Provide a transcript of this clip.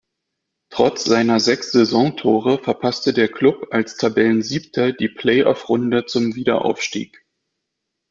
Trotz seiner sechs Saisontore verpasste der Klub als Tabellensiebter die Play-Off-Runde zum Wiederaufstieg.